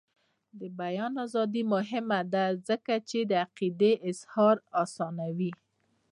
د بیان ازادي مهمه ده ځکه چې د عقیدې اظهار اسانوي.